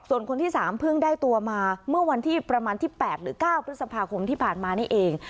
ส่วนคนที่๓เพิ่งได้ตัวมาเมื่อวันที่ประมาณที่๘หรือ๙พฤษภาคมที่ผ่านมานี่เอง